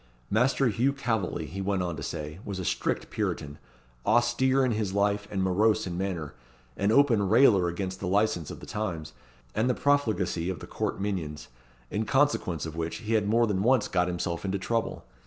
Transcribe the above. Master Hugh Calveley, he went on to say, was a strict Puritan, austere in his life, and morose in manner; an open railer against the licence of the times, and the profligacy of the court minions, in consequence of which he had more than once got himself into trouble.